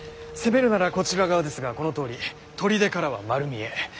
攻めるならこちら側ですがこのとおり砦からは丸見え。